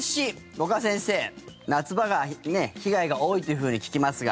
五箇先生、夏場が被害が多いというふうに聞きますが。